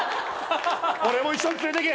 俺も一緒に連れてけ。